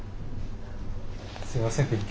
すみません